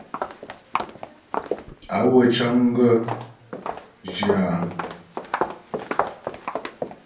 Awə̂ cəŋ gaə̂ zhyə áa.